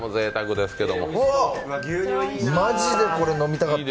うわ、マジでこれ飲みたかった。